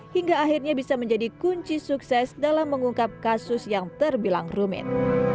hingga akhirnya bisa menjadi kunci sukses dalam mengungkap kasus yang terbilang rumit